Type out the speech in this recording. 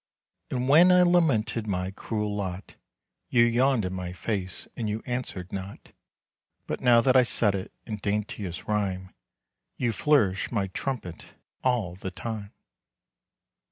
And when I lamented my cruel lot, You yawned in my face and you answered not. But now that I set it in daintiest rhyme, You flourish my trumpet all the time.